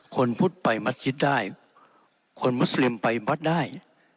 คนพุทธไปมัสคิดได้คนมุสลิมไปวัดได้